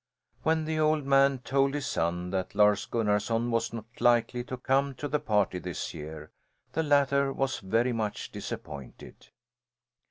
When the old man told his son that Lars Gunnarson was not likely to come to the party this year, the latter was very much disappointed.